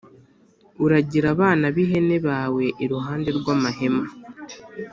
Uragire abana b ihene bawe iruhande rw amahema